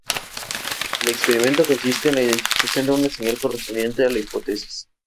El experimento consiste en la identificación de una señal correspondiente a la hipótesis.